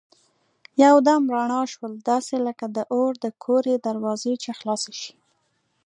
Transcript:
یو دم رڼا شول داسې لکه د اور د کورې دروازه چي خلاصه شي.